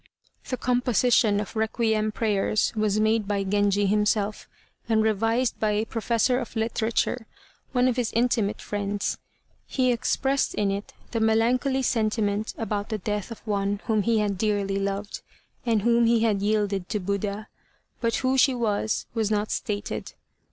The composition of requiem prayers was made by Genji himself, and revised by a professor of literature, one of his intimate friends. He expressed in it the melancholy sentiment about the death of one whom he had dearly loved, and whom he had yielded to Buddha. But who she was was not stated.